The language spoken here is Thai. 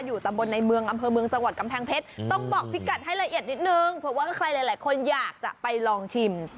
ตำบลในเมืองอำเภอเมืองจังหวัดกำแพงเพชรต้องบอกพี่กัดให้ละเอียดนิดนึงเผื่อว่าใครหลายคนอยากจะไปลองชิม